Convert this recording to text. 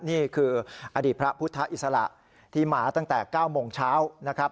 นี่คืออดีตพระพุทธอิสระที่มาตั้งแต่๙โมงเช้านะครับ